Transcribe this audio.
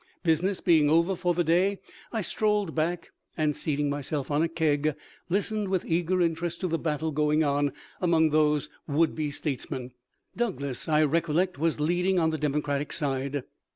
Business being over for the day, I strolled back and seating myself on a keg listened with eager interest to the battle going on among these would be statesmen. Douglas, I rec ollect, was leading on the Democratic side.